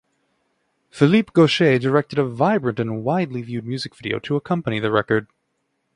Philippe Gautier directed a vibrant and widely viewed music video to accompany the record.